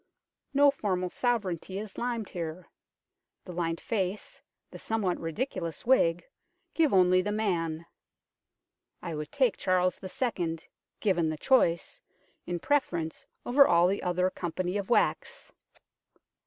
No formal sovereignty is limned here ; the lined face, the somewhat ridiculous wig, give only the man. I would take Charles II., given the choice, in preference over all the other company of wax.